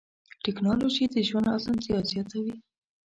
ټکنالوجي د ژوند اسانتیا زیاتوي.